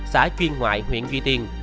xã chuyên ngoại huyện duy tiên